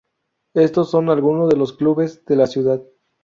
Estos son algunos de los clubes de la ciudad.